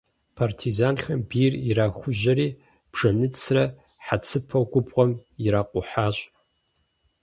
Партизанхэм бийр ирахужьэри, бжэныцрэ хьэцыпэу губгъуэм иракъухьащ.